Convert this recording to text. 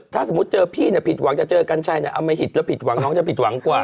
ถ้าสมมุติเจอพี่ผิดหวังจะเจอกันใช่ไหมเอาไม่หิดแล้วผิดหวังน้องจะผิดหวังกว่า